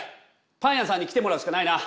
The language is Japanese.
パン屋さんに来てもらうしかないな。